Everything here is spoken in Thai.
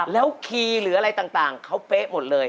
แล้วคีย์หรืออะไรต่างเขาเป๊ะหมดเลย